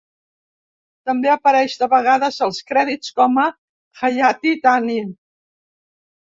També apareix de vegades als crèdits com a Hayati Tani.